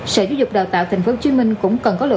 sở giáo dục đào tạo tp hcm cũng cần có lựa chọn